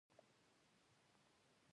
د کولیسټرول د کمولو لپاره د مڼې سرکه وکاروئ